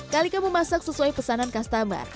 kalika memasak sesuai pesanan customer